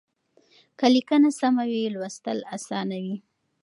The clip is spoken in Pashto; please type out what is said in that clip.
که ليکنه سمه وي لوستل اسانه وي.